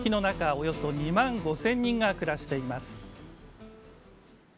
およそ２万５０００人が暮らしています。